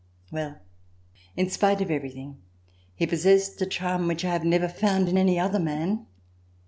Well, in spite of everything, he possessed a charm which I have never found in any other man.